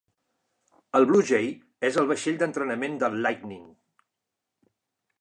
El Blue Jay és el vaixell d'entrenament del Lightning.